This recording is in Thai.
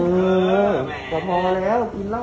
อีกขิงเนอะ